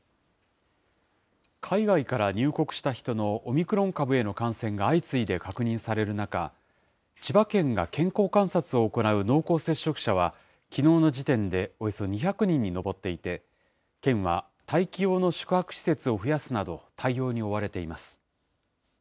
海外から入国した人のオミクロン株への感染が相次いで確認される中、千葉県が健康観察を行う濃厚接触者は、きのうの時点でおよそ２００人に上っていて、県は待機用の宿泊施設を増やすなど、対応に追われています。